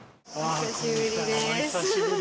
お久しぶりです。